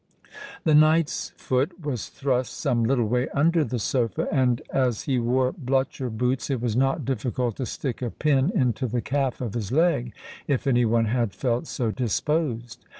The knight's foot was thrust some little way under the sofa; and as he wore blucher boots, it was not difficult to stick a pin into the calf of his leg, if any one had felt so disposed.